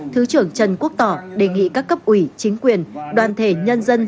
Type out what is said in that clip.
thứ trưởng trần quốc tỏ đề nghị các cấp ủy chính quyền đoàn thể nhân dân